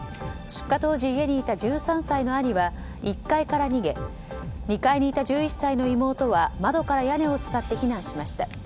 出火当時、家にいた１３歳の兄は１階から逃げ２階にいた１１歳の妹は窓から屋根を伝って避難しました。